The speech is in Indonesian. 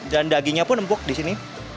dan dagingnya pun empuk di sini